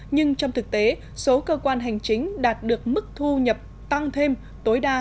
nhưng trong thực tế số cơ quan hành chính đạt được mức thu nhập tăng thêm tối đa